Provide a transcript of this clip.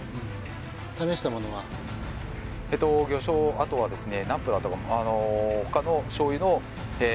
あとはですね